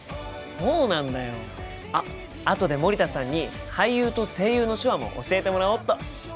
あとで森田さんに「俳優」と「声優」の手話も教えてもらおうっと！